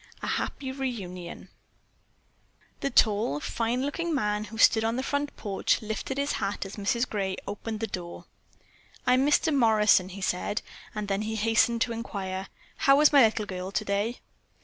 A HAPPY REUNION The tall, fine looking man who stood on the front porch lifted his hat as Mrs. Gray opened the door. "I'm Mr. Morrison," he said, and then he hastened to inquire: "How is my little girl today?"